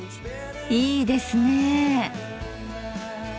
いいですね。